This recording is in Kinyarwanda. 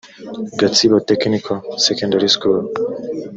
gatsibo technical secondary school